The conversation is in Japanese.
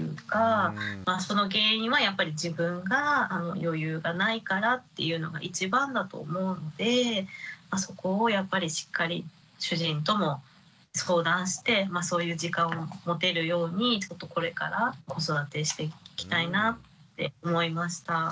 その原因はやっぱり自分が余裕がないからっていうのが一番だと思うのでそこをやっぱりしっかり主人とも相談してまあそういう時間を持てるようにちょっとこれから子育てしていきたいなぁって思いました。